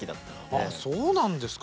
ああそうなんですか。